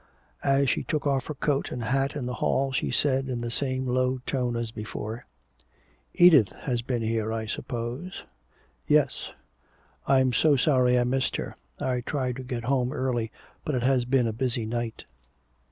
As she took off her coat and hat in the hall she said, in the same low tone as before, "Edith has been here, I suppose " "Yes " "I'm so sorry I missed her. I tried to get home early, but it has been a busy night."